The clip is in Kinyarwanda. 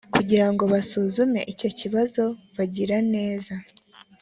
kugira ngo basuzume icyo kibazo bagira ineza